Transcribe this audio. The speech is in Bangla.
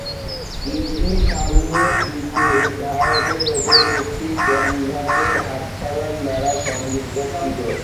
এটি সামনের দিকের ধারকের উপর একটি ক্যানভাসের আচ্ছাদন দ্বারা সংযুক্ত ছিল।